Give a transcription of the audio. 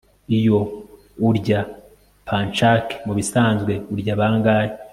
Iyo urya pancake mubisanzwe urya bangahe